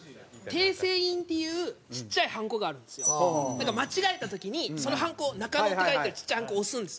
なんか間違えた時にその判子「中野」って書いてあるちっちゃい判子押すんです。